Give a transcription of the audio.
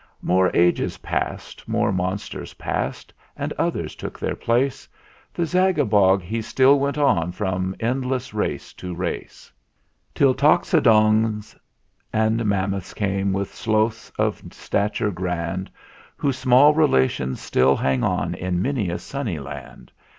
VIII. More ages passed, more monsters passed, and oth ers took their place ; The Zagabog he still went on from endless race to race, Till Toxodons and Mammoths came, with Sloths of stature grand, Whose small relations still hang on in many a sunny land.